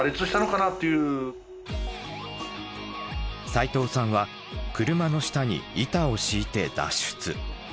齋藤さんは車の下に板を敷いて脱出。